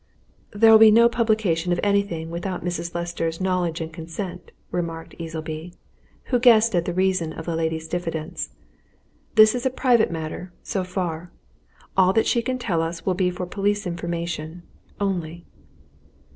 "There'll be no publication of anything without Mrs. Lester's knowledge and consent," remarked Easleby, who guessed at the reason of the lady's diffidence. "This is a private matter, so far. All that she can tell us will be for police information only."